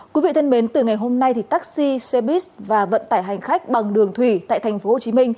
quý vị thân mến từ ngày hôm nay thì taxi xe buýt và vận tải hành khách bằng đường thủy tại tp hcm